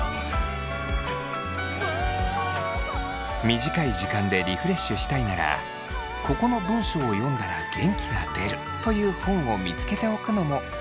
短い時間でリフレッシュしたいなら「ここの文章を読んだら元気が出る」という本を見つけておくのもオススメです。